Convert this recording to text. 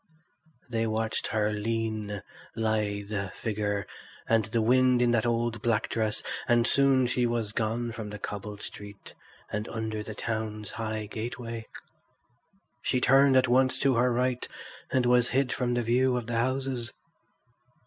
They watched her lean, lithe figure, and the wind in that old black dress, and soon she was gone from the cobbled street and under the town's high gateway. She turned at once to her right and was hid from the view of the houses.